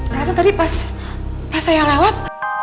berarti tadi pas saya lewat